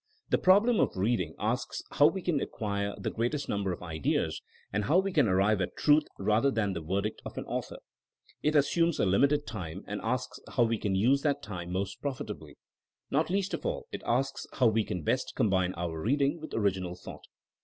The problem of reading asks how we can ac quire the greatest number of ideas, and how we can arrive at truth rather than the verdict 142 THINKING AS A SCIENCE of an author. It assumes a limited time and asks how we can use that time most profitably. Not least of all, it asks how we can best com bine our reading with original thought.